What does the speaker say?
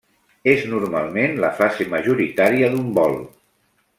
És normalment la fase majoritària d'un vol.